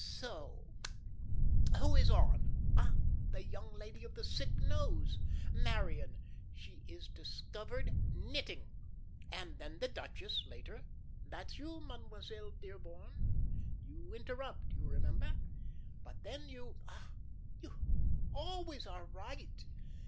Soh! Who is on? Ah, the young lady of the sick nose, 'Marion.' She is discovered knitting. And then the duchess later. That's you Mademoiselle Dearborn. You interrupt you remember. But then you, ah, you always are right.